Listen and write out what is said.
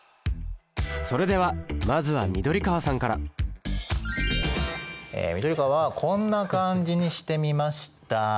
それではまずは緑川さんから緑川はこんな感じにしてみました。